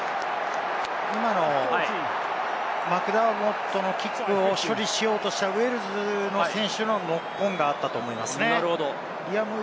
今のマクダーモットのキックを処理しようとしたウェールズの選手のノックオンがあったと思いますね。